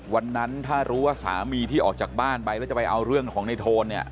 วันนั้นถ้ารู้ว่าสามีที่ออกจากบ้านไปแล้วจะไปเอาเรื่องของในโทนเนี่ย